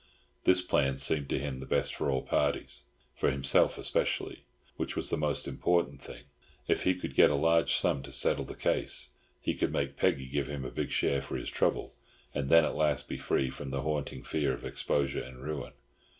This plan seemed to him the best for all parties—for himself especially, which was the most important thing. If he could get a large sum to settle the case, he could make Peggy give him a big share for his trouble, and then at last be free from the haunting fear of exposure and ruin.